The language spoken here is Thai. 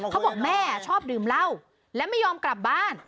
เขาบอกแม่ชอบดื่มเหล้าและไม่ยอมกลับบ้าน